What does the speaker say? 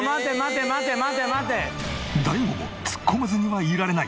大悟もツッコまずにはいられない！